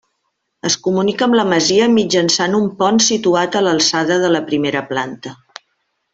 Es comunica amb la masia mitjançant un pont situat a l'alçada de la primera planta.